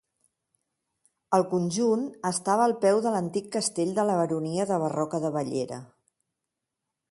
El conjunt estava al peu de l'antic castell de la Baronia de Barroca de Bellera.